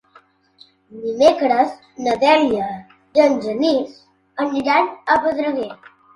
Dimecres na Dèlia i en Genís aniran a Pedreguer.